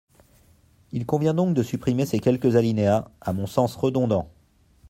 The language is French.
Il convient donc de supprimer ces quelques alinéas, à mon sens redondants.